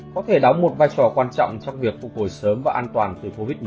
có thể đóng một vai trò quan trọng trong việc phục hồi sớm và an toàn từ covid một mươi chín